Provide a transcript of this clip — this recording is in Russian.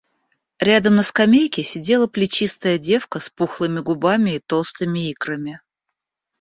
Рядом на скамейке сидела плечистая девка с пухлыми губами и толстыми икрами.